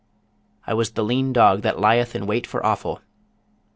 I was the lean dog that lieth in wait for offal.